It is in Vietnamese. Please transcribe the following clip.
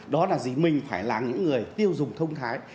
đó là gì mình phải là những người tiêu dùng thông thái